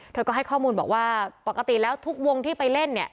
เธอก็ให้ข้อมูลบอกว่าปกติแล้วทุกวงที่ไปเล่นเนี่ย